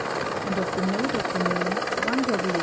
And of the Node of the Moon, 1 Revol.